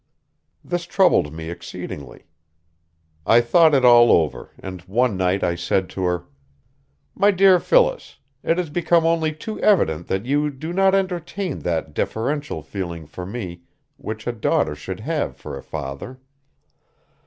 This troubled me exceedingly. I thought it all over and one night I said to her: "My dear Phyllis, it has become only too evident that you do not entertain that deferential feeling for me which a daughter should have for a father.